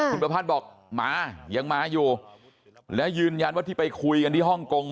คุณประพัฒน์บอกมายังมาอยู่แล้วยืนยันว่าที่ไปคุยกันที่ฮ่องกง